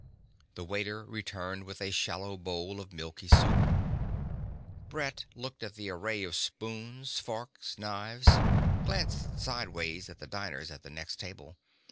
The waiter returned with a shallow bowl of milky soup. Brett looked at the array of spoons, forks, knives, glanced sideways at the diners at the next table.